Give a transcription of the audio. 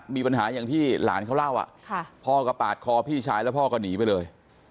มีปัญหาอย่างที่หลานเขาเล่าพ่อก็ปาดคอพี่ชายแล้วพ่อก็หนีไปเลย